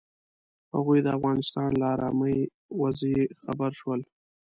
هغوی د افغانستان له ارامې وضعې خبر شول.